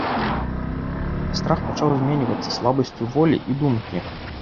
А страх пачаў зменьвацца слабасцю волі і думкі.